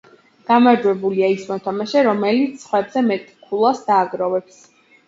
გამარჯვებულია ის მოთამაშე, რომელიც სხვებზე მეტ ქულას დააგროვებს.